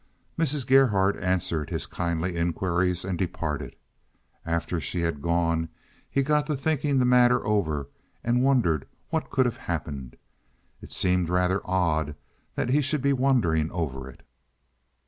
Mrs. Gerhardt answered his kindly inquiries and departed. After she had gone he got to thinking the matter over, and wondered what could have happened. It seemed rather odd that he should be wondering over it.